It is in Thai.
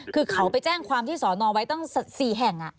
คือเขาไปแจ้งความที่สอนอไว้ตั้ง๔แห่ง